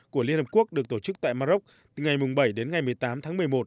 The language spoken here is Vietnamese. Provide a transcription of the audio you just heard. của liên hợp quốc được tổ chức tại maroc từ ngày bảy đến ngày một mươi tám tháng một mươi một